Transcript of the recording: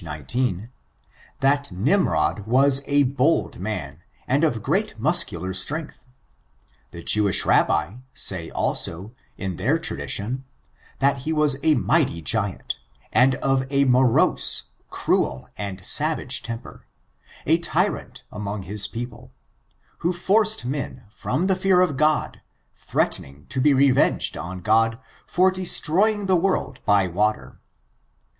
19, that Nimrod was a bold man and of great muscular strength. The Jewish Rabbi say, also, in their tra dition, that he was a mighty giant, and of a morose, cruel and savage temper, a tyrant among his people, who forced men from the fear ot God, threatening to be revenged on God for destroying the world by wa ter.